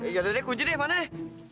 gak ada deh kunci deh mana deh